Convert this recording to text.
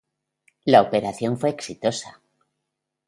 La operación fue exitosa.